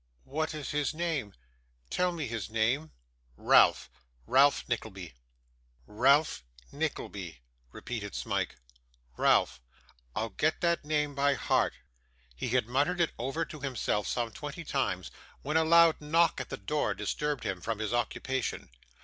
'What is his name? Tell me his name.' 'Ralph Ralph Nickleby.' 'Ralph Nickleby,' repeated Smike. 'Ralph. I'll get that name by heart.' He had muttered it over to himself some twenty times, when a loud knock at the door disturbed him from his occupation.